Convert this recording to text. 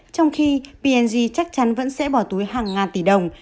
trong khi p g chắc chắn vẫn sẽ bỏ túi hàng ngàn tỷ đồng